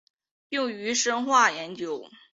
用于生化研究。